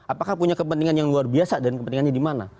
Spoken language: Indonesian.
apakah punya kepentingan yang luar biasa dan kepentingannya di mana